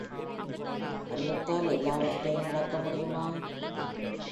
கணிதத்தால் எல்லாவற்றையும் விளக்க முடியுமா?